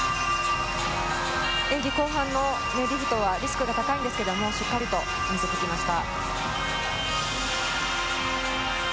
演技後半のリフトはリスクが高いですけれど、しっかり見せてきました。